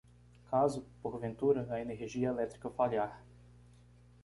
Caso, porventura, a energia elétrica falhar